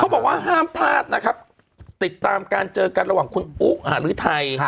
บอกว่าห้ามพลาดนะครับติดตามการเจอกันระหว่างคุณอุ๊อารือไทย